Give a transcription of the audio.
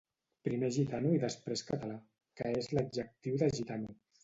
Primer gitano i després català, que és l’adjectiu de gitano.